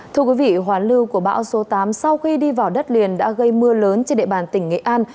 thưa quý vị hoàn lưu của bão số tám sau khi đi vào đất liền đã gây mưa lớn trên địa bàn tỉnh nghệ an